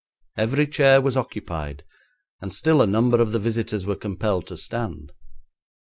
Every chair was occupied, and still a number of the visitors were compelled to stand.